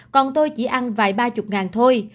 còn tôi chỉ ăn vài ba mươi ngàn thôi